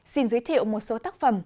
xin giới thiệu một số tác phẩm